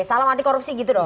salam anti korupsi gitu dong